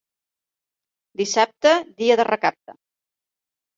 Dissabte, dia de recapte.